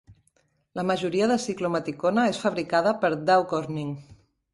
La majoria de ciclometicona és fabricada per Dow Corning.